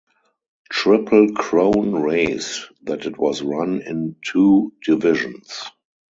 Triple Crown race that it was run in two divisions.